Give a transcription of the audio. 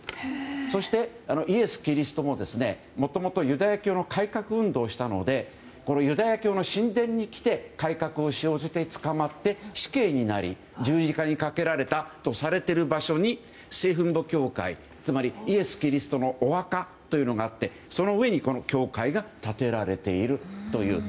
そして、イエス・キリストももともとユダヤ教の改革運動をしたのでユダヤ教の神殿に来て改革をしてつかまって死刑になり、十字架にかけられたとされている場所に聖墳墓協会、つまりイエス・キリストのお墓というのがあってその上に教会が建てられているという。